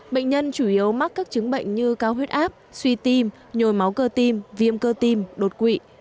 bệnh nhân chủ yếu mắc các chứng bệnh như cao huyết áp suy tim nhồi máu cơ tim viêm cơ tim đột quỵ